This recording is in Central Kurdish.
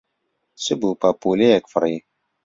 چ بوو پەپوولەیەک فڕی